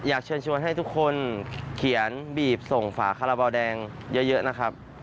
อยากเชิญชวนให้ทุกคนเขียนบีบส่งฝาคาราบาลแดงเยอะนะครับ